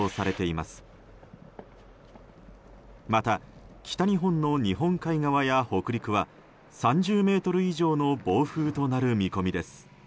また北日本の日本海側や北陸は３０メートル以上の暴風となる見込みです。